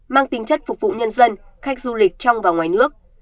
mang tính chất phục vụ nhân dân khách du lịch trong và ngoài nước